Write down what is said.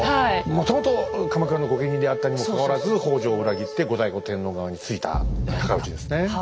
もともと鎌倉の御家人であったにもかかわらず北条を裏切って後醍醐天皇側についた尊氏ですね。